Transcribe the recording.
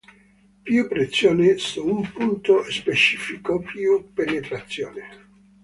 Più pressione su un punto specifico, più penetrazione.